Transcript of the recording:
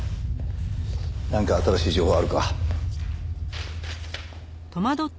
なんか新しい情報はあるか？